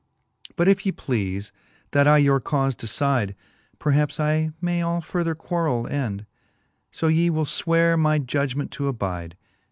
But if ye pleafe, that I your caufe decide. Perhaps I may all further quarrell end, So ye will fweare my judgment to abide.